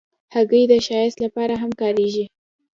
هګۍ د ښایست لپاره هم کارېږي.